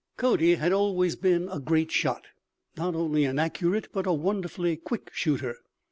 Cody had always been a great shot not only an accurate, but a wonderfully quick shooter.